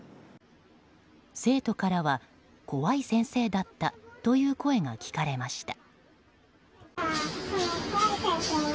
生徒からは、怖い先生だったという声が聞かれました。